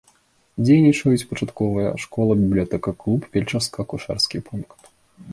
Дзейнічаюць пачатковая школа, бібліятэка, клуб, фельчарска-акушэрскі пункт.